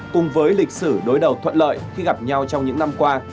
cùng với lịch sử đối đầu thuận lợi khi gặp nhau trong những năm qua